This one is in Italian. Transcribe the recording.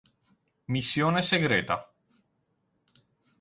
Missione segreta